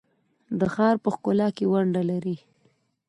د ښار په ښکلا کې ونډه لري؟